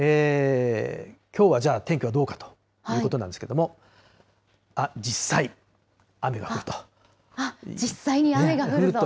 きょうはじゃあ、天気はどうかというところなんですけれども、あっ、じっさい、雨が降ると。